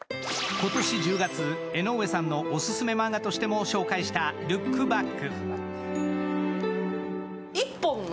今年１０月、江上さんのオススメ漫画としても紹介した「ルックバック」。